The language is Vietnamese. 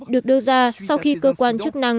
được đưa ra sau khi cơ quan chức năng